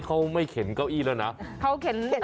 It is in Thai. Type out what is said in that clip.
เขาเข็นอะไรครับ